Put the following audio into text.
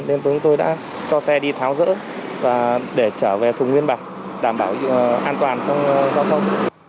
nên chúng tôi đã cho xe đi tháo rỡ và để trở về thùng nguyên bản đảm bảo an toàn trong giao thông